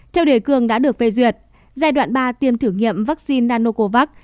theo đề cương đã được phê duyệt giai đoạn ba tiêm thử nghiệm vaccine nanocovax